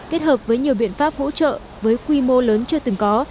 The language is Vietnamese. kết hợp với nhiều biện pháp hỗ trợ với quy mô lớn chưa từng có